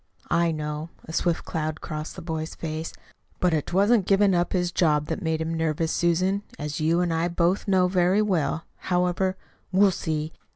"I know." A swift cloud crossed the boy's face. "But 'twasn't giving up his job that's made him nervous, Susan, as you and I both know very well. However, we'll see.